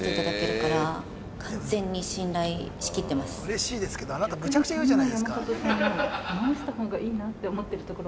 嬉しいですけれども、あなた、むちゃくちゃ言うじゃないですか。